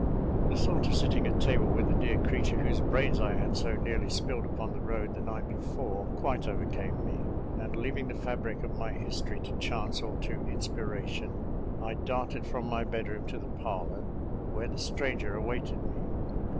The thought of sitting at table with the dear creature whose brains I had so nearly spilled upon the road the night before quite overcame me; and leaving the fabric of my history to chance or to inspiration, I darted from my bedroom to the parlour, where the stranger awaited me.